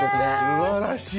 すばらしい！